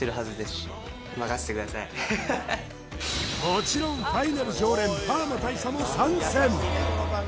もちろんファイナル常連パーマ大佐も参戦